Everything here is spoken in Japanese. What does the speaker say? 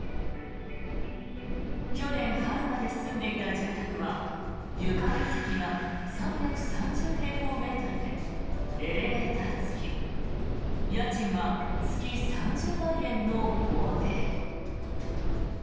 去年春まで住んでいた住宅は床面積が３３０平方メートルでエレベーター付き家賃は月３０万円の豪邸。